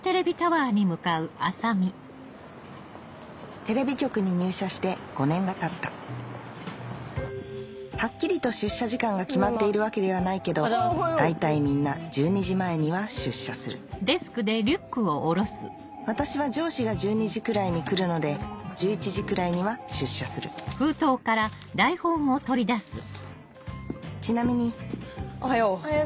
テレビ局に入社して５年が経ったはっきりと出社時間が決まっているわけではないけど大体みんな１２時前には出社する私は上司が１２時くらいに来るので１１時くらいには出社するちなみにおはよう。